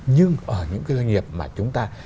nhưng ở những cái doanh nghiệp mà chúng ta